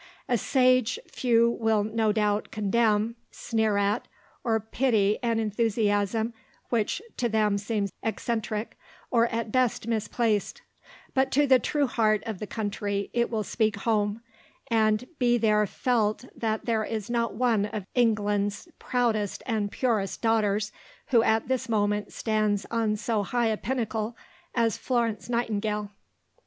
A sage few will no doubt condemn, sneer at, or pity an enthusiasm which to them seems eccentric, or at best misplaced; but to the true heart of the country it will speak home, and be there felt that there is not one of England's proudest and purest daughters who at this moment stands on so high a pinnacle as Florence Nightingale.